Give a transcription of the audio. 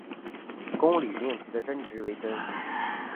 公理命题的真值为真。